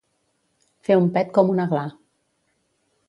Fer un pet com una gla